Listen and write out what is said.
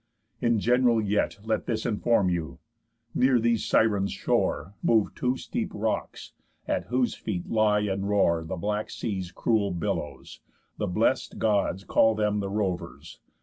In gen'ral yet Let this inform you: Near these Sirens' shore Move two steep rocks, at whose feet lie and roar The black sea's cruel billows; the bless'd Gods Call them the Rovers.